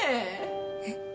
えっ。